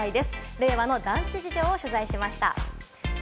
令和の団地事情を取材しました。